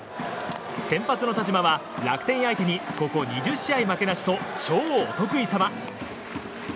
先発の田嶋は楽天相手にここ２０試合負けなしと超お得意様。